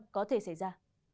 có thể xảy ra